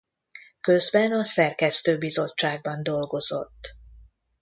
Közben a szerkesztőbizottságban dolgozott.